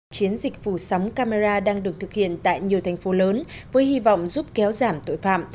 chiến dịch phủ sóng camera đang được thực hiện tại nhiều thành phố lớn với hy vọng giúp kéo giảm tội phạm